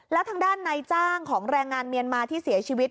แล้วทางด้านในจ้างของแรงงานเมียนมาที่เสียชีวิต